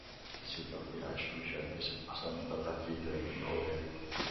The seat of the archbishop is Assumpta Cathedral in Owerri.